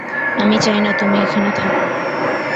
আমি চাই না তুমি এখানে থাকো।